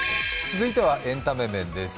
続いてはエンタメ面です。